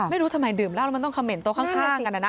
ไม่รู้ทำไมดื่มเหล้าแล้วมันต้องเขม่นโต๊ะข้างกันนะนะ